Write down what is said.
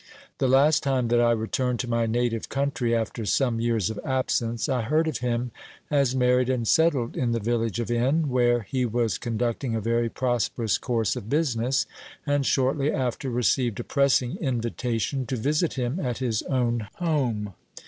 The last time that I returned to my native country, after some years of absence, I heard of him as married and settled in the village of N., where he was conducting a very prosperous course of business, and shortly after received a pressing invitation to visit him at his own home.